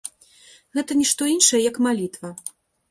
Гэта нішто іншае, як малітва!